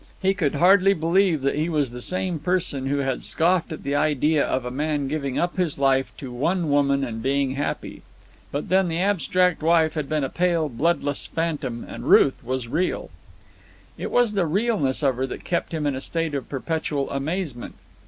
He could hardly believe that he was the same person who had scoffed at the idea of a man giving up his life to one woman and being happy. But then the abstract wife had been a pale, bloodless phantom, and Ruth was real. It was the realness of her that kept him in a state of perpetual amazement.